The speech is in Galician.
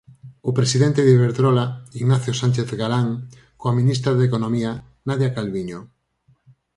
O presidente de Iberdrola, Ignacio Sánchez Galán, coa ministra de Economía, Nadia Calviño.